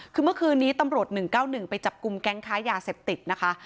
คือเมื่อคืนนี้ตำรวจ๑๙๑ไปจับกลุ่มแก๊งค้ายาเสพติดนะคะ